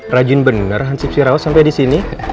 rajin bener hansip sirau sampai disini